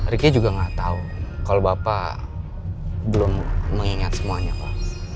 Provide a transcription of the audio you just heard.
ricky juga gak tau kalau bapak belum mengingat semuanya pak